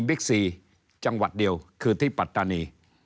ซีจังหวัดเดียวคือที่ปัตตานี